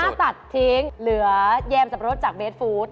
ถ้าตัดทิ้งเหลือแยมสับปะรดจากเบสฟู้ด